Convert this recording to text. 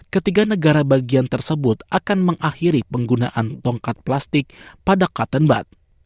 ketiga negara bagian tersebut akan mengakhiri penggunaan tongkat plastik pada katten bud